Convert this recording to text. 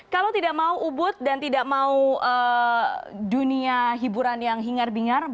kalau tidak mau ubud dan tidak mau dunia hiburan yang hingar bingar